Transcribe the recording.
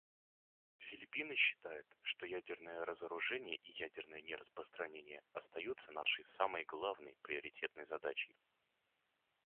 Филиппины считают, что ядерное разоружение и ядерное нераспространение остаются нашей самой главной, приоритетной задачей.